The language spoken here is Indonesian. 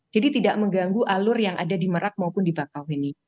jadi tidak mengganggu alur yang ada di merak maupun di bakauheni